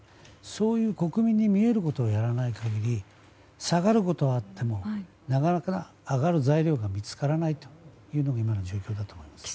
そういう国民に見えることをやらない限り下がることはあってもなかなか上がる材料が見つからないというのが今の状況だと思います。